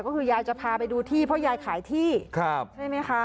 ก็คือยายจะพาไปดูที่เพราะยายขายที่ใช่ไหมคะ